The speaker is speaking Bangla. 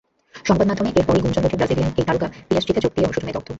সংবাদমাধ্যমে এরপরই গুঞ্জন ওঠে ব্রাজিলিয়ান এই তারকা পিএসজিতে যোগ দিয়ে অনুশোচনা দগ্ধ।